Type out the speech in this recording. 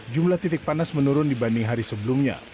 jumlah titik panas menurun dibanding hari sebelumnya